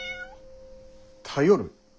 頼る？